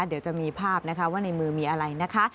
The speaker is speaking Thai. เดี๋ยวจะมีภาพนะคะว่าในมือมีอะไรนะคะ